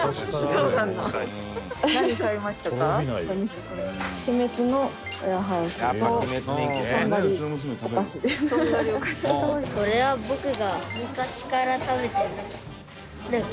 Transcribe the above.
男の子：これは僕が昔から食べてる。